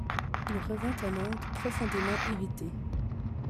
Il revint à Nantes profondément irrité.